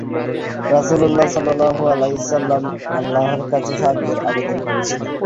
রাসূল সাল্লাল্লাহু আলাইহি ওয়াসাল্লাম আল্লাহর কাছে সাহায্যের আবেদন করেছিলেন।